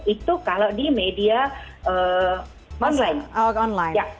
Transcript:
itu kalau di media online